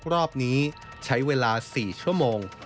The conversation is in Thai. รอบนี้ใช้เวลา๔ชั่วโมง